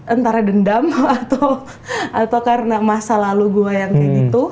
antara dendam atau karena masa lalu gue yang kayak gitu